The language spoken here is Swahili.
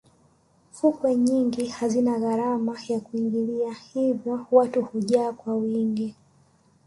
fukwe nyingi hazina gharama ya kuingilia hivyo watu hujaa kwa wingi